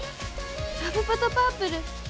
ラブパトパープル！